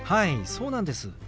そうなんです。